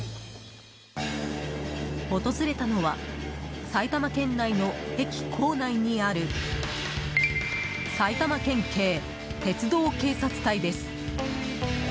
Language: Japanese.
訪れたのは埼玉県内の駅構内にある埼玉県警鉄道警察隊です。